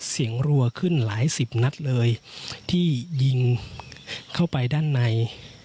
รัวขึ้นหลายสิบนัดเลยที่ยิงเข้าไปด้านใน